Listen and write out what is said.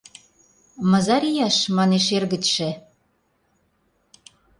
— Мызар ияш, манеш, эргычше?